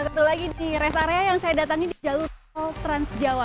nah tentu lagi di rest area yang saya datangnya di jalur tol trans jawa